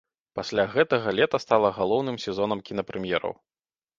Пасля гэтага лета стала галоўным сезонам кінапрэм'ераў.